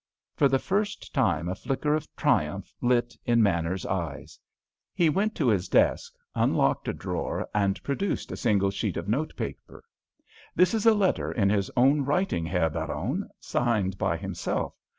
For the first time a flicker of triumph lit in Manners's eyes. He went to his desk, unlocked a drawer, and produced a single sheet of notepaper. "This is a letter in his own writing, Herr Baron, signed by himself.